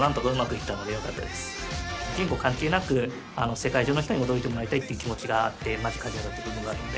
言語関係なく、世界中の人に驚いてもらいたいという気持ちがあって、マジックをしたのがあって。